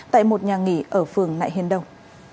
tại một nhà nghỉ ở phường nại hiên đông